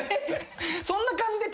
そんな感じで。